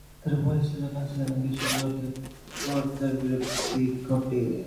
তার ভয় ছিল পাছে কোনো কিছু উপলক্ষে কর্তার বিরক্তি ঘটে।